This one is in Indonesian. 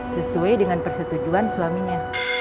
sesuai dengan persetujuan suaminya